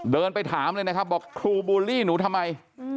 เดินไปถามเลยนะครับบอกครูบูลลี่หนูทำไม